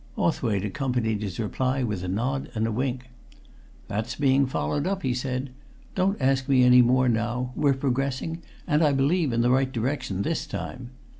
Hawthwaite accompanied his reply with a nod and a wink. "That's being followed up," he said. "Don't ask me any more now; we're progressing, and, I believe, in the right direction this time.